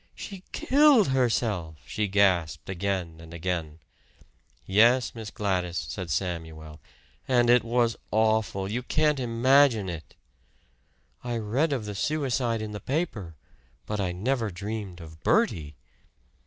She killed herself!" she gasped again and again. "Yes, Miss Gladys," said Samuel. "And it was awful! You can't imagine it!" "I read of the suicide in the paper. But I never dreamed of Bertie!"